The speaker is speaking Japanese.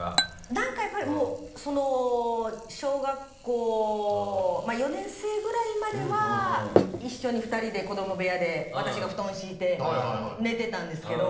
何かやっぱりもう小学校４年生ぐらいまでは一緒に２人で子ども部屋で私が布団敷いて寝てたんですけど。